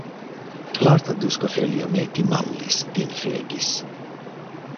Klart att du ska följa med till Mallis, din fegis!